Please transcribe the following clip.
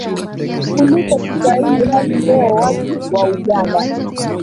kuliko Kiswahili hadi leo Watu wa Uganda